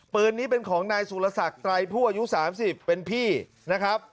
ปืนนี้เป็นของนายสุรศักดิ์ไตรผู้อายุ๓๐เป็นพี่นะครับ